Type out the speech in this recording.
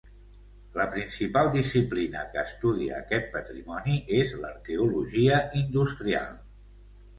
La principal disciplina que estudia aquest patrimoni és l'arqueologia industrial.